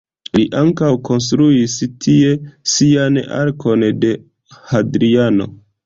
Li ankaŭ konstruis tie sian Arkon de Hadriano.